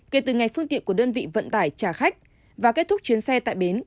kể từ ngày phương tiện của đơn vị vận tải trả khách và kết thúc chuyến xe tại bến